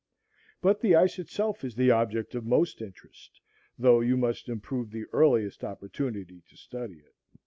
But the ice itself is the object of most interest, though you must improve the earliest opportunity to study it.